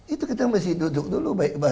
itu kita mesti duduk dulu baik baik